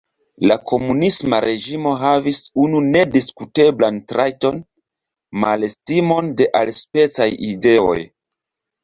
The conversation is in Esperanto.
La komunisma reĝimo havis unu nediskuteblan trajton: malestimon de alispecaj ideoj.